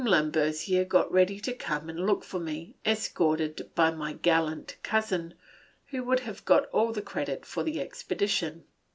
Lambercier got ready to come and look for me, escorted by my gallant cousin, who would have got all the credit for the expedition.